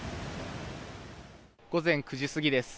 午前９時過ぎです。